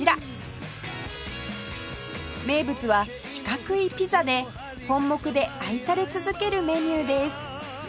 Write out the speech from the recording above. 名物は四角いピザで本牧で愛され続けるメニューです